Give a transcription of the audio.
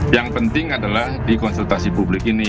yang penting adalah di konsultasi publik ini